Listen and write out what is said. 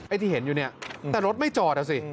ไอ้ที่เห็นอยู่นี่แต่รถไม่จอดเอาสิ